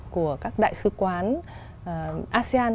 của các đại sứ quán asean